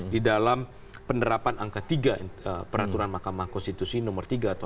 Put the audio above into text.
di dalam penerapan angka tiga peraturan mahkamah konstitusi nomor tiga tahun dua ribu dua puluh